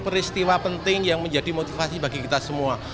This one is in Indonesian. peristiwa penting yang menjadi motivasi bagi kita semua